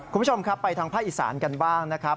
คุณผู้ชมครับไปทางภาคอีสานกันบ้างนะครับ